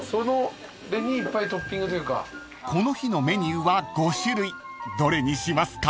［この日のメニューは５種類どれにしますか？］